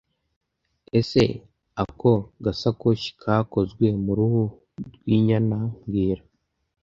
Ese ako gasakoshi kakozwe mu ruhu rwinyana mbwira